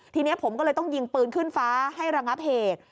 ทีนี้ผมก็เลยต้องยิงปืนขึ้นฟ้าให้ระงับเหตุ